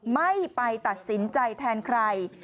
ไม่ไปตัดสินใจแทนใคร